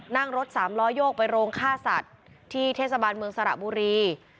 นั่งรถสามล้อโยกไปโรงฆ่าสัตว์ที่เทศบาลเมืองสระบุรี